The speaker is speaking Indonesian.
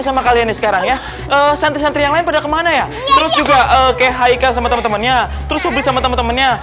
sampai jumpa di video selanjutnya